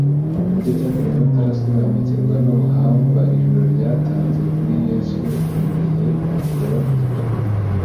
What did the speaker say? Nicyo cyatumye batarasobanukiwe n'ubuhamva ijuru ryatanze kuri Yesu igihe yabatizwaga.